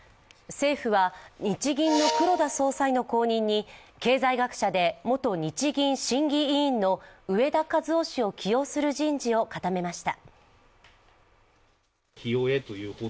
政府は日銀の黒田総裁の後任に経済学者で元日銀審議委員の植田和男氏を起用する人事を固めました。